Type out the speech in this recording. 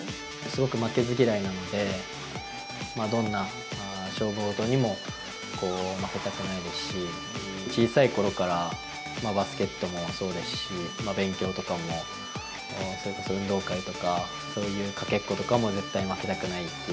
すごく負けず嫌いなんで、どんな勝負事にも負けたくないですし、小さいころからバスケットもそうですし、勉強とかも、それこそ運動会とか、そういうかけっことかも絶対負けたくないって。